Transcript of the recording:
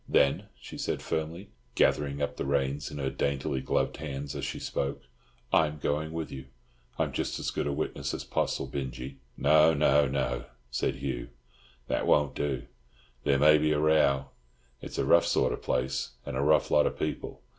"Then," she said firmly, gathering up the reins in her daintily gloved hands as she spoke, "I'm going with you. I'm just as good a witness as Poss or Binjie." "No, no, no," said Hugh, "that won't do. There may be a row. It's a rough sort of place, and a rough lot of people.